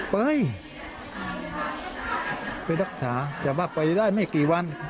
ไปไปรักษาแต่ว่าไปได้ไม่กี่วัน